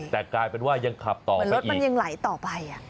แต่กลายเป็นว่ายังขับต่อไปอีก